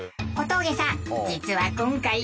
小峠さん実は今回。